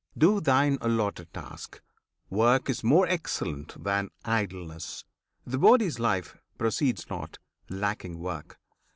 Do thine allotted task! Work is more excellent than idleness; The body's life proceeds not, lacking work.